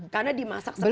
karena dimasak sekali